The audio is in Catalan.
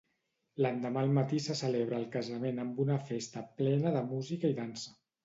L'endemà al matí se celebra el casament amb una festa plena de música i dansa.